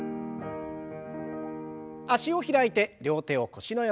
脚を開いて両手を腰の横。